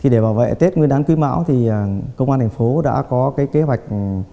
để bảo vệ tết nguyên đán quý mão công an thành phố đã có kế hoạch